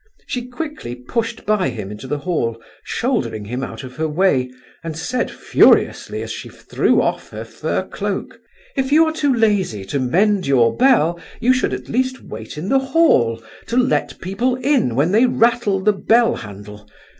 She quickly pushed by him into the hall, shouldering him out of her way, and said, furiously, as she threw off her fur cloak: "If you are too lazy to mend your bell, you should at least wait in the hall to let people in when they rattle the bell handle.